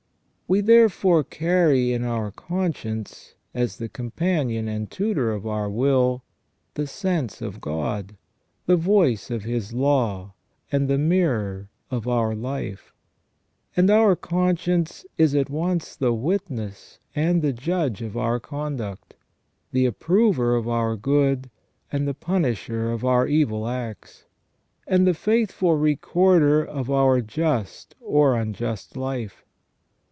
J We therefore carry in our conscience, as the companion and tutor of our will, the sense of God, the voice of His law, and the mirror of our life ; and our conscience is at once the witness and the judge of our conduct ; the approver of our good and the punisher of our evil acts ; and the faithful recorder of our just or unjust life.